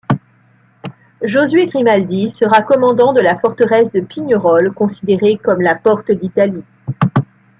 Josué Grimaldi sera commandant de la forteresse de Pignerol, considérée comme la porte d'Italie.